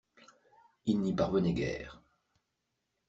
Il n'y parvenait guère.